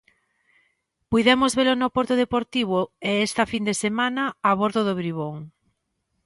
Puidemos velo no porto deportivo e esta fin de semana a bordo do Bribón.